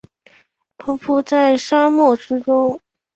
蹒跚在沙漠之中